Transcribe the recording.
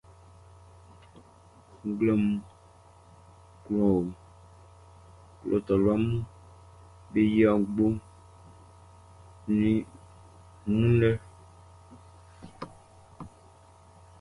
Nglɛmun kwlaaʼn, klɔ taluaʼm be yia gboʼn i wun lɛ.